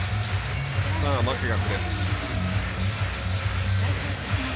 マクガフです。